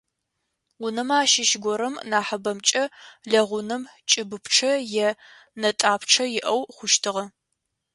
Унэмэ ащыщ горэм, нахьыбэмкӏэ лэгъунэм, кӏыбыпчъэ е нэтӏапчъэ иӏэу хъущтыгъэ.